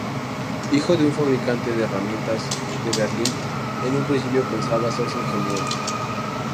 Hijo de un fabricante de herramientas de Berlín, en un principio pensaba hacerse ingeniero.